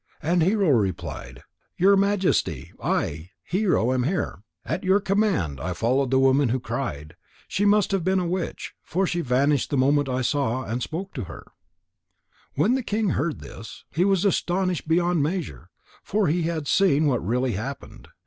And Hero replied: "Your Majesty, I, Hero, am here. At your command I followed the woman who cried. She must have been a witch, for she vanished the moment I saw her and spoke to her." When the king heard this, he was astonished beyond measure, for he had seen what really happened.